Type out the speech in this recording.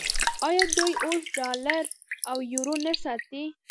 آیا دوی اوس ډالر او یورو نه ساتي؟